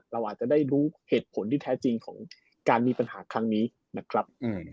เราอาจจะได้รู้เหตุผลที่แท้จริงของการมีปัญหาครั้งนี้นะครับ